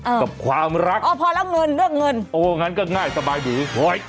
กับความรักอ๋อพอแล้วเงินเรื่องเงินโอ้งั้นก็ง่ายสบายดีพลอย